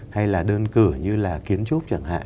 hay là đơn cử như là kiến trúc chẳng hạn